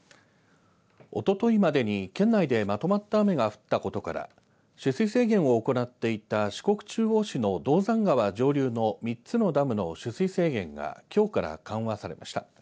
おとといまでに県内でまとまった雨が降ったことから取水制限を行っていた四国中央市の銅山川上流の３つのダムの取水制限がきょうから緩和されました。